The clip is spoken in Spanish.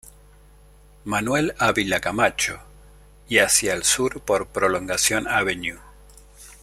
Manuel Ávila Camacho" y hacia el sur por "Prolongación Av.